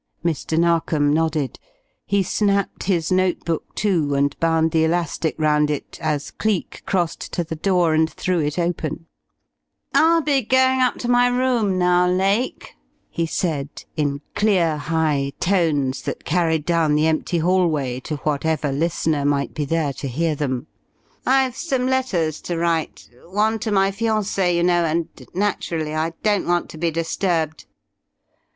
Mr. Narkom nodded. He snapped his note book to, and bound the elastic round it, as Cleek crossed to the door and threw it open. "I'll be going up to my room now, Lake," he said, in clear, high tones that carried down the empty hallway to whatever listener might be there to hear them. "I've some letters to write. One to my fiancée, you know, and naturally I don't want to be disturbed."